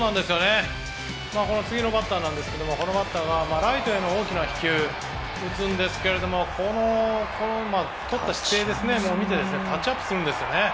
次のバッターなんですけどこのバッターが、ライトへの大きな飛球を打つんですけれどこのとった姿勢を見てタッチアップするんですよね。